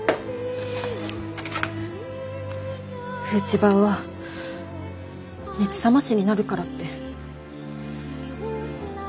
フーチバーは熱冷ましになるからって。